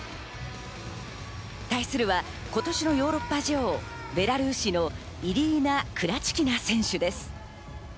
対するは今年のヨーロッパ女王、ベラルーシのイリーナ・クラチキナ選手です。